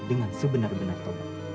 dengan sebenar benar tobat